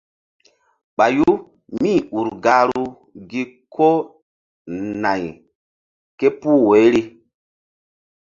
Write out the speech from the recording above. Ɓayu míur gahru gi ko nay képuh woyri.